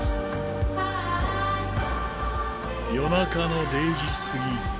夜中の０時過ぎ。